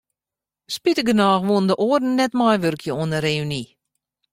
Spitigernôch woene de oaren net meiwurkje oan de reüny.